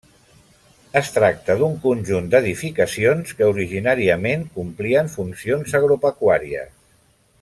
Es tracta d'un conjunt d'edificacions que originàriament complien funcions agropecuàries.